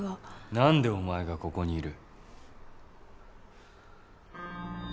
何でお前がここにいる？